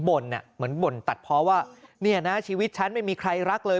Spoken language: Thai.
เหมือนบ่นตัดเพราะว่าเนี่ยนะชีวิตฉันไม่มีใครรักเลย